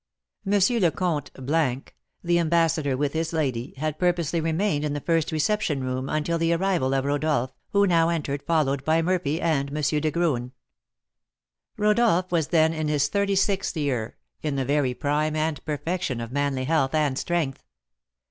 M. le Comte , the ambassador, with his lady, had purposely remained in the first reception room until the arrival of Rodolph, who now entered, followed by Murphy and M. de Graün. Rodolph was then in his thirty sixth year, in the very prime and perfection of manly health and strength.